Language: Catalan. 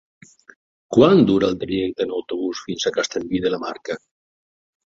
Quant dura el trajecte en autobús fins a Castellví de la Marca?